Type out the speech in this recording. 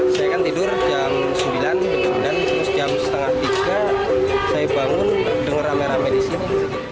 saya kan tidur jam sembilan terus jam setengah tiga saya bangun denger rame rame di sini